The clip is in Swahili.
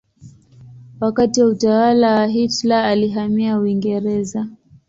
Wakati wa utawala wa Hitler alihamia Uingereza.